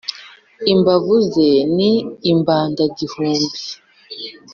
Imbavu ze ni imbandagihumbi,